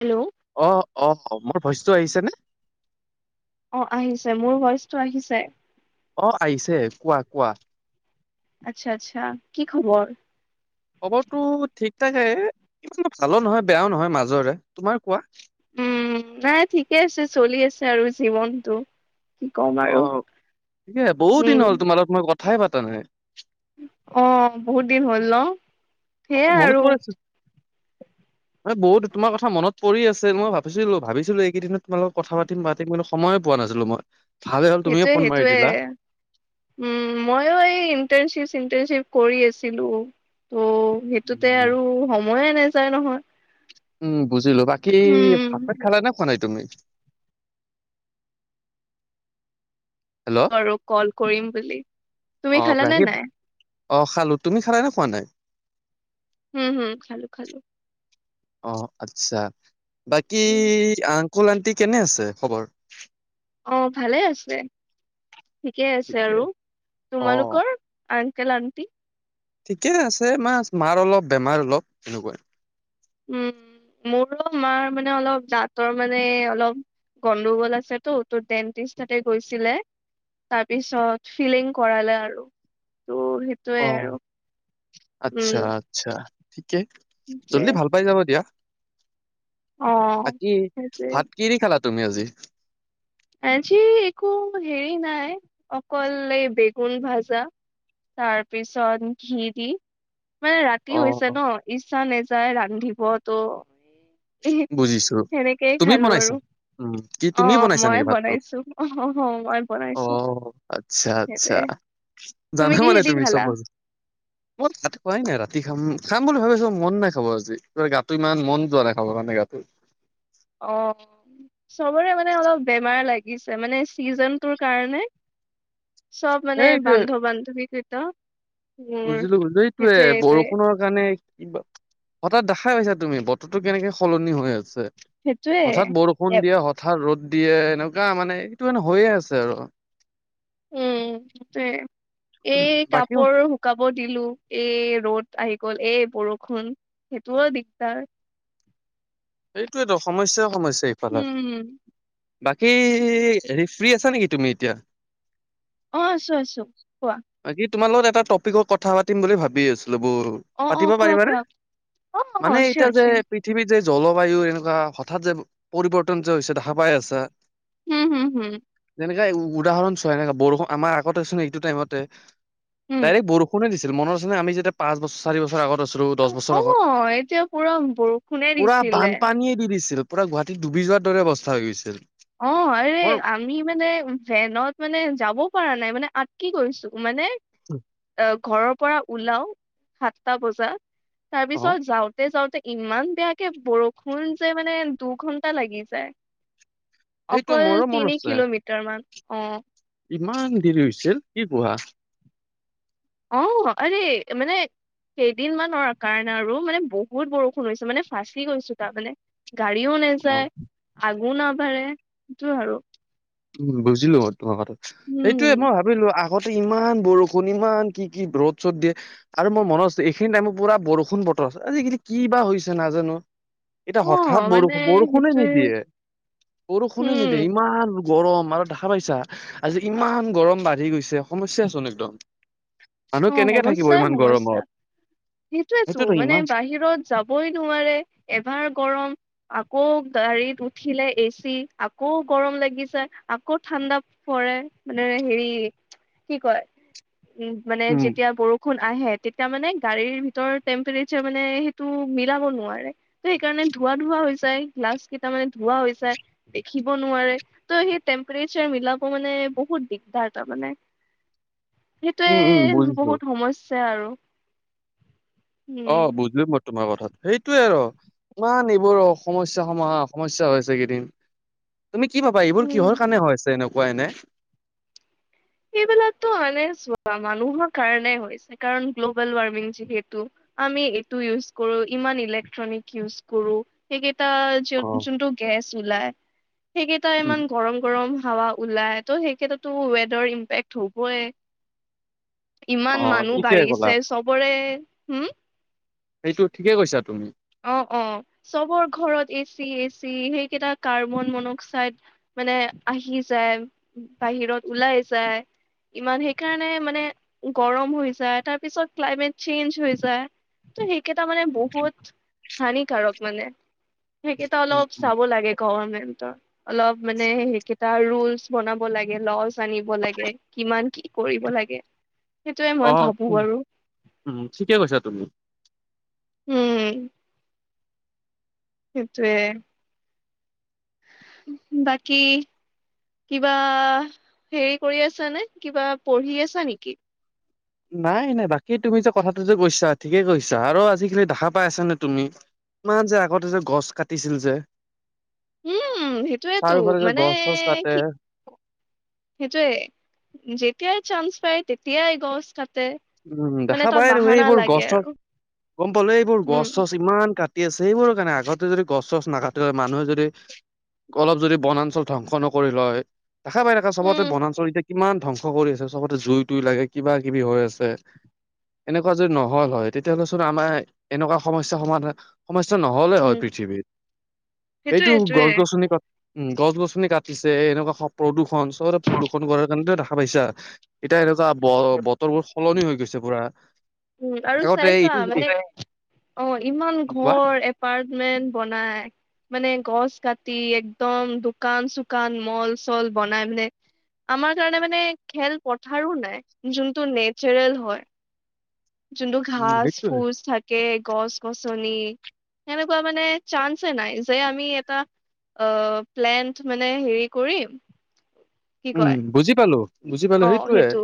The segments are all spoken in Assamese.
হেল্ল'। অ, অ' মোৰ ভইচটো আহিছেনে? অ আহিছে। মোৰ ভইচটো আহিছে অ' আহিছে। কোৱা কোৱা? আচ্ছা আচ্ছা। কি খবৰ? খবৰটো ঠিক ঠাকে ইমান ভালো নহয় বেয়াও নহয় মাজৰে তোমাৰ কোৱা। উম' নাই ঠিকে আছে, চলি আছে আৰু জীৱনতটো। অ' ঠিকে, বহুত দিন হ'ল তোমাৰ লগত মই কথাই পাতা নাই। ' অ বহুত দিন হ'ল ন। অ', সেইয়াই মনত আৰু পৰিছে [unintelligible] মানে বহুত তোমাৰ কথা মনত পৰি আছে। মই ভাবিছিলো ভাবিছিলো এইকেইদিনত তোমাৰ লগ কথা পাতিম পাতিম। কিন্ত সময় পোৱা নাছিলো মই। ভালে হ'ল তুমিয়ে সেইটোয়ে, ফোন মাৰি সেইটোয়ে। দিলা। উম, মইও এই ইণ্টাৰশ্বিপ- ইন্তাৰশ্বিপ কৰি আছিলো। ত' সেইটোতে আৰু সময়ে নাযায় নহয়। উম' বুজিলো বাকী উম ভাত-ভাত খালা না? খোৱা নাই তুমি। হেল্ল' আৰু কল কৰিম বুলি। তুমি অ', খালা নে বাকী নাই? অ' খালো তুমি খালা নে খোৱা নাই? উম হম খালো খালো অ' আচ্ছা। বাকী উম, আংকুল-আণ্টি কেনে আছে খবৰ? অ' ভালে আছে, ঠিকে আছে আৰু অ তোমালোকৰ? আন আণ্টি। ঠিকে আছে মা, মাৰ অলপ বেমাৰ অলপ এনেকুৱাই। উম'মোৰো মাৰ মানে অলপ দাতৰ মানে অলপ গণ্ডগোল আছেতো, তোৰ ডেন্টিষ্ট তাতে গৈছিলে। তাৰপিছত ফিলিং কৰালে আৰু। ত সেইটোয়ে অ আৰু, আচ্ছা উম। আচ্ছা ঠিকে সেইটোৱে জল্দি ভাল পাই যাব দিয়া। অ বাকী সেইটোৱে ভাত কি দি খালা তুমি আজি? আজি একো হেৰি নাই অকল এই বেগুন ভাজা। তাৰপিছত ঘি দি মানে ৰাতি অ হৈছে ন, ইচ্ছা নাযায় ৰান্ধিব ত বুজিছো। সেনেকেই তুমি খালো আৰু বনাইছা? উম' কি অ তুমি অ, বনাইছা নি মই ভাতটো? বনাইছো অ অ, মই বনাইছো অ' আচ্ছা, আচ্ছা। সেইটোয়ে জানা মানে কিহেদি তুমি খালা চব মই ক'ত ভাত খোৱাই নাই ৰাতি। খাম খাম বুলি ভাবিছোঁ মন নাই খাব আজি ত গাটো ইমান মন যোৱা নাখাব মানে গাটো। অ' চবৰে মানে অলপ বেমাৰ লাগিছে, মানে চিজনটোৰ কাৰণে। চব মানে বান্ধ-বান্ধৱীকিতা বুজিলোঁ, বুজিলোঁ। এইটোয়ে এ বৰষুণৰ কাৰণে হঠাৎ দেখাই পাইছা তুমি বতৰটো কেনেকে সলনি হৈ আছে। সেইটোয়ে হঠাৎ বৰষুণ এপ দিয়ে হঠাৎ ৰ'দ দিয়ে। এনেকুৱা মানে এইটো মানে হৈয়ে আছে আৰু। উম'এই বাকী কাপোৰ শুকাব দিলোঁ এই ৰ'দ আহি গ'ল এই বৰষুণ সেইটোও দিগদাৰ। সেইটোয়েতো সমস্যাই-সমস্যা ইফালে। উম বাকী হেৰি ফ্ৰী আছা নেকি তুমি এতিয়া? অ' আছোঁ, আছোঁ কোৱা? বাকী তোমাৰ লগত এটা টপিকৰ কথা পাতিম বুলি ভাবি আছোঁ। অ অ পাতিব কোৱা পাৰিবা নে? কোৱা অ অ মানে চিয়ৰ এতিয়া যে চিয়ৰ পৃথিৱী যে জলবায়ু এনেকুৱা হঠাৎ যে পৰিৱৰ্তন যে হৈছে দেখা পাই আছা। উম হম হম। এনেকে উদাহৰণ চোৱা এনেকা বৰষুণ আমাৰ আগতে আছে নে এইটো টাইমতে। হম ডাইৰেক বৰষুণে দিছিল মনত আছে আমি যেতিয়া পাঁচবছৰ চাৰি বছৰ। আগত আছিলোঁ দহ অ', বছৰ আগত। এতিয়া পুৰা বৰষুণে দিছিলে। বানপানীয়েে দি দিছিল পুৰা গুৱাহাটীত ডুবি যোৱাৰ দৰে অৱস্থা হৈ গৈছিল। অ আৰে মোৰ আমি মানে ভেনত মানে যাব পৰা নাই মানে আত কি কৰিছোঁ। মানে অ ঘৰৰ পৰা ওলাও সাতটা বজাত। অ তাৰপিছত যাওঁতে যাওঁতে। ইমান বেয়াকে বৰষুণ যে মানে দুঘন্টা লাগি যায়। সেইটো অকল মোৰো মন তিনি আছে কিলোমিটাৰ মান অ। ইমান দেৰি হৈছিল কি কোৱা? অ আৰে মানে। কেইদিনমানৰ কাৰণে আৰু মানে বহুত বৰষুণ হৈছে মানে ফাঁচি গৈছো তাৰ মানে। গাড়ীও অ নাযায় আগো নাবাঢ়ে সেইটো আৰু। উম বুজিলোঁ তোমাৰ কথা সেইটোয়ে উম। মই ভাবিলোঁ- আগতে ইমান বৰষুণ ইমান কি কি ৰ'দ চ'দ দিয়ে আৰু মই মনত আছে এইখিনি টাইমৰ পুৰা বৰষুণ বতৰ আজিকালি কি বা হৈছে নাজানোঁ। এতিয়া অ' হঠাৎ মানে বৰষুণ বৰষুণে সেইটোৱে নিদিয়ে বৰষুণে উম নিদিয়ে ইমান। গৰম আৰু দেখা পাইছা আজি ইমান গৰম বাঢ়ি গৈছে সমস্যা চোন একদম। মানুহ অ' কেনেকে থাকিব সমস্যাই ইমান সমস্যা গৰমত। সেইটোয়েতো সেইটোতো মানে ইমান বাহিৰত যাবই নোৱাৰে এবাৰ গৰম আকৌ। গাড়ীত উঠিলে এচি আকৌ গৰম লাগিছে আকৌ ঠাণ্ডা পৰে মানে। হেৰি কি কয় উ মানে উম যেতিয়া বৰষুণ আহে তেতিয়া মানে। গাড়ীৰ ভিতৰ টেম্পৰেচাৰ মানে সেইটো মিলাব নোৱাৰে ত সেইকাৰণে ধোৱা ধোৱা হৈ যায়। গিলাছ মানে ধোঁৱা হৈ যায়, দেখিব নোৱাৰে, ত সেই টেম্পেৰেছাৰ মিলাব মানে বহুত। দিগদাৰ তাৰমানে, উম উম সেইটোৱে বুজিছো বহুত সমস্যা আৰু অ উম বুজিলোঁ মই তোমাৰ কথা সেইটোয়ে আৰু। ইমা নিবোৰ সমস্যা সমা সমস্যা হৈছে কেইদিন তুমি কি ভাবা? এইবোৰ উম কিহৰ কাৰণে হৈ আছে এনেকুৱা এনে এইবিলাতকো মানে চোৱা মানুহৰ কাৰণে হৈছে, কাৰণ গ্ল'বেল ৱাৰ্মিং যিহেতু আমি এইটো ইউজ কৰোঁ, ইমান ইলেক্ট্ৰনিক ইউজ কৰোঁ অ সেই- যোনটো গেছ ওলাই সেইকেইটা উম ইমান গৰম, গৰম হাৱা ওলাই ত' সেই ক্ষেত্ৰতো ৱেডাৰ ইম্পেক্ট হ'বই। অ ইমান মানুহ ঠিকে ক'লা বাঢ়িছে চবৰে। হুম সেইটো ঠিকে কৈছা তুমি অ অ চবৰ ঘৰত এচি এ চি সেইকেইটা কাৰ্বন মনক্সাইড মানে আহি যায় বাহিৰত ওলাই যায়। ইমান সেইকাৰণে মানে গৰম হৈ যায় তাৰপিছত ক্লাইমেট চেইঞ্জ হৈ যায়। ত সেইকেইটা মানে বহুত হানিকাৰক মানে সেইকেইটা উম অলপ উম চাব লাগে ক এনে অলপ মানে সেইকেইটা ৰোলচ বনাব লাগে, ললচ আনিব লাগে কিমান কি কৰিব লাগে। সেইটোয়ে মই অঁ ভাবো আৰু উম ঠিকে কৈছা তুমি। উম সেইটোৱে। বাকী কিবা হেৰি কৰি আছা নে কিবা পঢ়ি আছা নেকি? নাই নাই বাকী তুমি যে কথাটো যে কৈছা ঠিকেই কৈছা আৰু আজি খালি দেখা পাই আছা নে তুমি কিমান যে আগতে যে গছ কাটিছিল যে উম সেইটোয়েতো চাৰিওফালে যে মানে গছ চছ কাটে কি সেইটোয়ে যেতিয়াই চান্স পায় তেতিয়াই গছ কাটে- উম মানে দেখা এটা পাইথাকো বাহানা এইবোৰ লাগে গছ চছ আৰু গম পালো এইবোৰ গছ উম চছ ইমান কাট টি আছে সেইবোৰৰ কাৰণে আগতে যদি গছ চছ নাকাটিলে হয় মানুহে যদি অলপ যদি বনাঞ্চল ধ্বংস নকৰিল হয় দেখা পাই চবতে উম বনাঞ্চল এতিয়া কিমান ধ্বংস কৰি আছে চবতে জুই তুই লাগে কিবা কিবি হৈ আছে এনেকুৱা যদি নহল হয় তেতিয়াহলে চোন আমাৰ এনেকুৱা সমস্যা সমাধান সমস্যা নহ'লে হয় উম পৃথিৱীত সেইটোয়ে এইটো সেইটোয়ে গছ গছনি কটা উম গছ গছনি কাটিছে এনেকুৱা প্ৰদূষণ চবতে প্ৰদূষণ কৰাৰ কাৰণেতো এটা দেখা পাইছা এতিয়া এনেকুৱা ব বতৰবোৰ সলনি হৈ গৈছে পুৰা। উম আৰু আগতে চাইছা এইটো মানে অ ইমান কোৱা ঘৰ এপাৰ্টমেন্ট বনাই মানে গছ কাটি একদম দোকান -চোকান, মল-চল বনাই মানে আমাৰ কাৰণে মানে খেল পথাৰো নাই যোনটো নেচাৰেল হয় যোনটো উম ঘাস সেইটোয়ে ফুচ থাকে গছ গছনি সেনেকুৱা মানে চান্সে নাই যে আমি এটা অ প্লেণ্ট মানে হেৰি কৰিম কি উম কয় বুজি পালো বুজি পালো অ সেইটোয়ে সেইটো।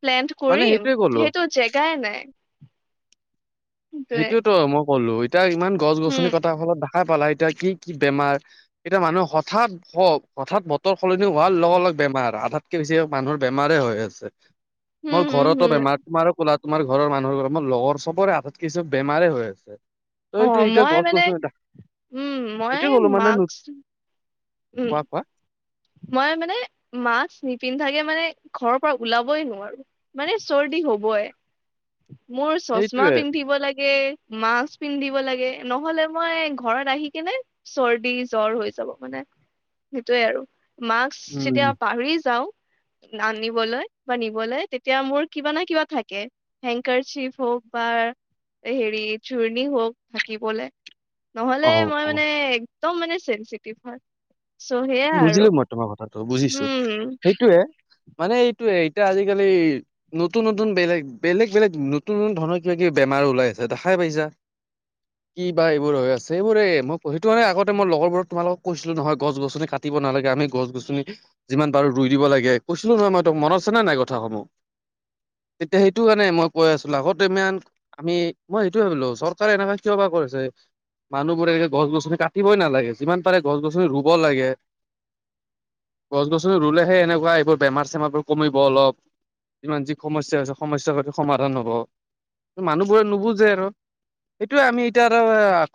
প্লেন মানে কৰিম সেইটোয়ে ক'লো যিহেতু জেগাই নাই। সেইটোৱে সেইটোয়ে তো মই ক'লো এতিয়া ইমান গছ গছনি হম কটাৰ ফলত দেখাই পালা এতিয়া কি কি বেমাৰ এতিয়া মানুহ হঠাৎ ভ হঠাৎ বতৰ সলনি হোৱাৰ লগে লগে বেমাৰ আধাতকে বেছি মানুহৰ বেমাৰ হৈ আছে। মোৰ হম হম ঘৰতো হম বেমাৰ তোমাৰো ক'লা তোমাৰ ঘৰৰ মানুহৰ কথা মোৰ লগৰ চবৰে আ কিছু বেমাৰেই হয় আছে। অ তইটোই এতিয়া মই গছ মানে গছনি দেখা নাই উম মই সেটোয়ে কলো মানে মাস্ক উম কোৱা কোৱা মই মানে মাক্স নিপিন্ধাকে মানে ঘৰৰ পৰা ওলাবই নোৱাৰো মানে চৰ্দি হবই মোৰ চশমা সেইটোয়ে পিন্ধিব লাগে লাগে মাক্স পিন্ধিব লাগে নহলে মই ঘৰত আহি কেনে চৰ্দি জ্বৰ হৈছে হৈ যাব হয়নে সেইটোৱে আৰু মাক্স যেতিয়া উম পাহৰি যাওঁ আনিবলৈ বা নিবলে তেতিয়া মোৰ কিবা নহয় কিবা থাকে। হেংকাৰ চিপ হওঁক বা হেৰি চুৰ্ণি হওঁক ধাকিবলে। নহলে অ মই অ মানে একদম মানে চেনচেটিভ হয়। চ' সেয়া আৰু বুজিলো মই তোমাৰ কথাটো বুজিছো উম সেইটোয়ে মানে এইটোয়ে এতিয়া আজি কালি নতুন নতুন বেলেগ বেলেগ বেলেগ নতুন নতুন ধন কিবা কিবি বেমাৰ ওলাই আছে দে খাই পাইছা? কি বা এইবোৰ হৈ আছে এইবোৰে মই সেইটো কাৰনে আগতে মই লগৰবোৰক, তোমালোকক কৈছিলো নহয় গছ গছনি কাট কাটিব নালাগে আমি গছ গছনি যিমান পাৰো ৰুই দিব লাগে কৈছিলো নহয় মই তাক মনত আছে নে নাই কথাসমূহ [inaudible] মানুহবোৰে এনেকে গছ-গছনি কাটিবই নালাগে যিমান পাৰে গছ-গছনি ৰুব লাগে [inaudible] গছ গছনি ৰুলেহে এনেকুৱা এইবোৰ বেমাৰ চেমাৰবোৰ কমিব অলপ যিমান যি সমস্যা আছে সমস্যাৰ পাতি সমাধান হব। মানুহবোৰে নুবুজে আৰু সেইটোয়ে আমি এতিয়া আৰু